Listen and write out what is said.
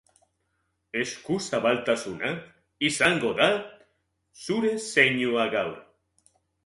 Eskuzabaltasuna izango da zure zeinua gaur.